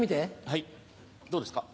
はいどうですか？